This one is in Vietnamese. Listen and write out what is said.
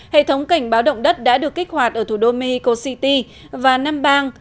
hệ thống cảnh báo động đất đã được kích hoạt ở thủ đô mexico city và năm bang